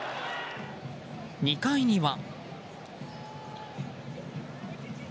２回には。